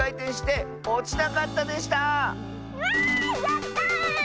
やった！